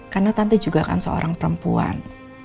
karena tante juga kan seorang perempuan